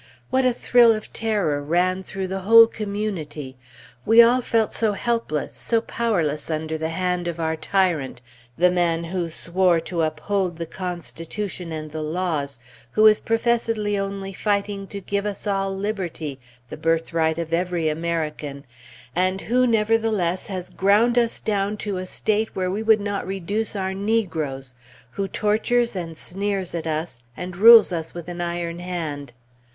What a thrill of terror ran through the whole community! We all felt so helpless, so powerless under the hand of our tyrant, the man who swore to uphold the Constitution and the laws, who is professedly only fighting to give us all Liberty, the birthright of every American, and who, nevertheless, has ground us down to a state where we would not reduce our negroes, who tortures and sneers at us, and rules us with an iron hand!